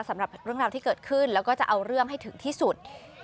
สำหรับเรื่องราวที่เกิดขึ้นแล้วก็จะเอาเรื่องให้ถึงที่สุด